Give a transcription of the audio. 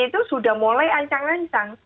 itu sudah mulai ancang ancang